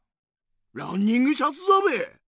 ランニングシャツだべ！